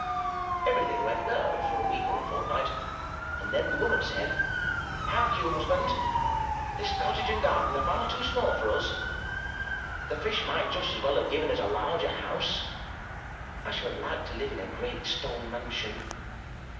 Everything went well for a week or a fortnight, and then the woman said: "Hark you, husband, this cottage and garden are far too small for us; the Fish might just as well have given us a larger house. I should like to live in a great stone mansion.